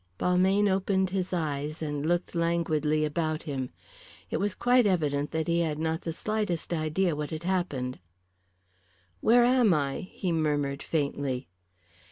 Balmayne opened his eyes and looked languidly about him. It was quite evident that he had not the slightest idea what had happened. "Where am I?" he murmured, faintly.